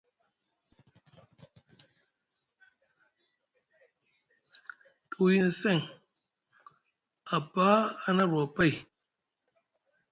Te wiyini seŋ apa a na arwa pay,